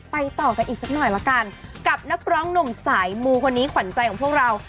ต่อกันอีกสักหน่อยละกันกับนักร้องหนุ่มสายมูคนนี้ขวัญใจของพวกเรา